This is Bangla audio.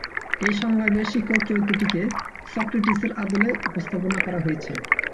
এই সংলাপের শিক্ষক চরিত্রটিকে সক্রেটিসের আদলে উপস্থাপনা করা হয়েছে।